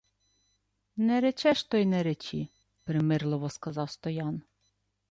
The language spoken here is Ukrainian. — Не речеш, то й не речи, — примирливо сказав Стоян.